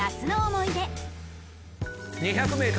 ２００ｍ